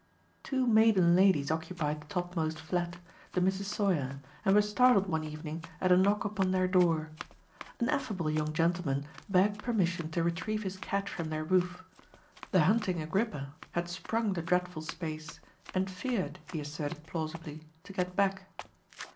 Two maiden ladies occupied the topmost flat, the Misses Sawyer, and were startled one evening at a knock upon their door. An affable young gentleman begged permission to retrieve his cat from their roof. The hunting Agrippa had sprung the dreadful space and feared, he asserted plausibly, to get back.